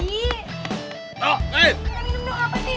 nggak minum dong apa nih aduh